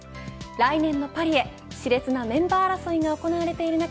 来年のパリへし烈なメンバー争いが行われている中